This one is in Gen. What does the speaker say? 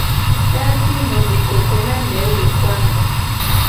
Tasi mu di kokoe na amewo le ko a me.